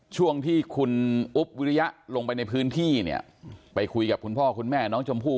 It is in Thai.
ช่วงที่คุณอุ๊บวิริยะลงไปในพื้นที่เนี่ยไปคุยกับคุณพ่อคุณแม่น้องชมพู่